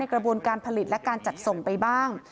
กระบวนการผลิตและการจัดส่งไปบ้าง